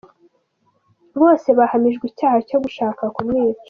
Bose bahamijwe n’icyaha cyo gushaka kumwica.